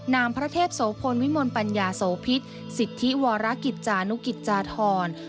นามพระเทพโสพลวิมลปัญญาโสพิษสิทธิวรกิจจานุกิจจาธร